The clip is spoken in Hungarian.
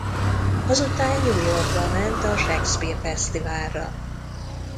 Azután New Yorkba ment a Shakespeare fesztiválra.